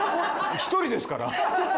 １人ですから。